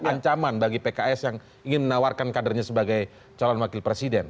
ancaman bagi pks yang ingin menawarkan kadernya sebagai calon wakil presiden